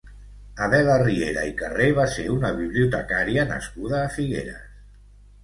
Adela Riera i Carré va ser una bibliotecària nascuda a Figueres.